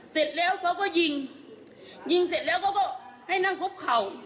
เสร็จแล้วเขาก็ยิงยิงเสร็จแล้วเขาก็ให้นั่งคุกเข่า